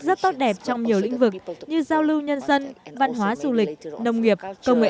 rất tốt đẹp trong nhiều lĩnh vực như giao lưu nhân dân văn hóa du lịch nông nghiệp công nghệ